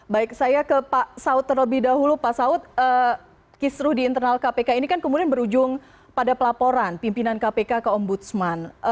baik saya ke pak saud terlebih dahulu pak saud kisruh di internal kpk ini kan kemudian berujung pada pelaporan pimpinan kpk ke ombudsman